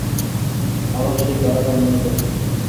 আবার সেই কারাগার মনে পড়িল।